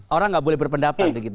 orang nggak boleh berpendapat begitu